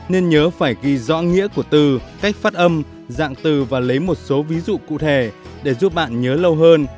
nên nhớ phải ghi rõ nghĩa của từ cách phát âm dạng từ và lấy một số ví dụ cụ thể để giúp bạn nhớ lâu hơn